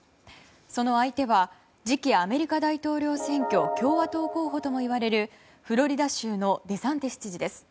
その相手は次期アメリカ大統領選挙共和党候補ともいわれるフロリダ州のデサンティス知事です。